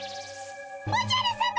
おじゃるさま！